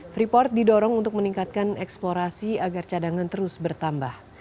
freeport didorong untuk meningkatkan eksplorasi agar cadangan terus bertambah